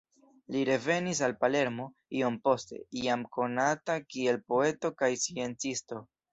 Li revenis al Palermo iom poste, jam konata kiel poeto kaj sciencisto.